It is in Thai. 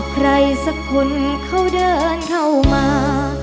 ใครสักคนเขาเดินเข้ามา